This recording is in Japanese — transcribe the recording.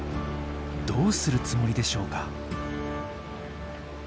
どうするつもりでしょうか？